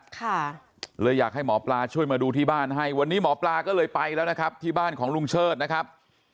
ค่ะเลยอยากให้หมอปลาช่วยมาดูที่บ้านให้วันนี้หมอปลาก็เลยไปแล้วนะครับที่บ้านของลุงเชิดนะครับ